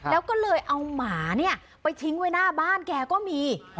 แล้วก็เลยเอาหมาเนี่ยไปทิ้งไว้หน้าบ้านแกก็มี